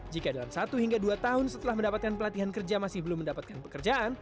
jika dalam satu hingga dua tahun setelah mendapatkan pelatihan kerja masih belum mendapatkan pekerjaan